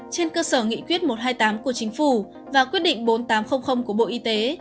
trên cơ sở nghị quyết một trăm hai mươi tám của chính phủ và quyết định bốn nghìn tám trăm linh của bộ y tế